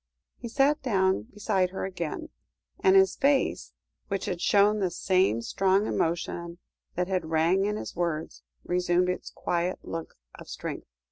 He sat down beside her again, and his face, which had shown the same strong emotion that had rang in his words, resumed its quiet look of strength.